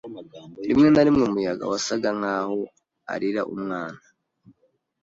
Rimwe na rimwe, umuyaga wasaga nkaho arira umwana.